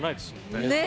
ねえ！